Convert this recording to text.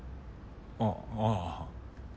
あっああ。